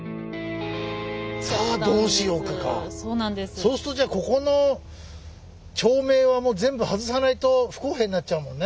そうするとじゃあここの町名はもう全部外さないと不公平になっちゃうもんね。